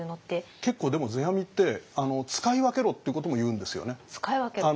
結構でも世阿弥って使い分けろってことも言うんですよね。